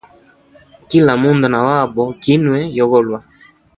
Kila mundu na wabo kinwe yogolwa.